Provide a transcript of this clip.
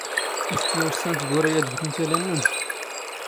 ⵉⵙ ⵜⴻⵜⵜⵢⴰⵡⵙⵙⴰⵏ ⵜⴳⵓⵔⵉ ⴰⴷ ⴳ ⵜⵏⵜⴰⵍⴰ ⵏⵏⵓⵏⵜ?